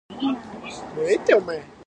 寒くなってきた。